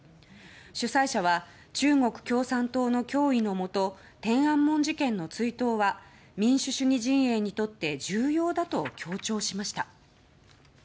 主催者は中国共産党の脅威のもと天安門事件の追悼は民主主義陣営にとって重要だと強調しました。